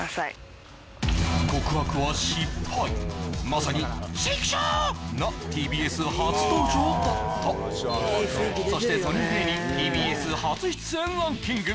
まさに「チクショー！」なＴＢＳ初登場だったそしてソニー芸人ＴＢＳ初出演ランキング